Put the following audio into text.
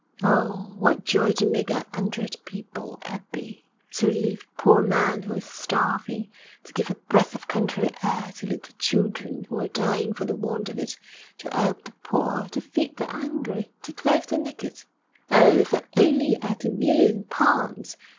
Oh, what joy to make a 'undred people 'appy; to relieve a poor man who is starving, to give a breath of country air to little children who are dying for the want of it, to 'elp the poor, to feed the 'ungry, to clothe the naked! Oh, if I only 'ad a million pounds!'